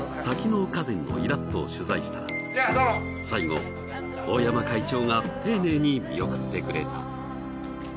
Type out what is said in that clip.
多機能家電のイラッとを取材したら最後大山会長が丁寧に見送ってくれた。